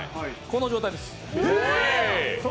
この状態です。